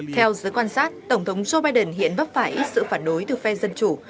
theo giới quan sát tổng thống joe biden hiện vấp phải ít sự phản đối từ phe dân chủ